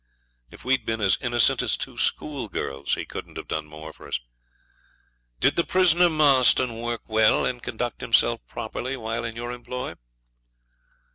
If we'd been as innocent as two schoolgirls he couldn't have done more for us. 'Did the prisoner Marston work well and conduct himself properly while in your employ?'